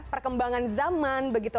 perkembangan zaman begitu